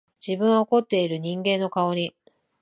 自分は怒っている人間の顔に、